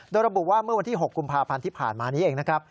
โดยระบุว่าเมื่อวันที่๖กุมภาพันธ์ที่ผ่านมานี้เองนะครับ